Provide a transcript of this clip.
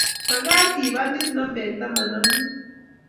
magaat iib badit nambet taman ago muut